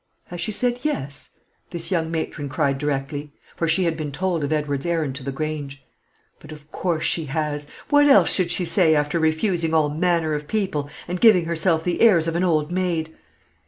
"Has she said 'yes'?" this young matron cried directly; for she had been told of Edward's errand to the Grange. "But of course she has. What else should she say, after refusing all manner of people, and giving herself the airs of an old maid?